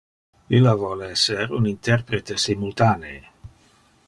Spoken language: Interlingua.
Illa vole esser un interprete simultanee.